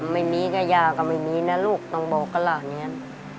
ไม่มีก็ยาก็ไม่มีนะลูกต้องบอกก็ล่ะเนี่ย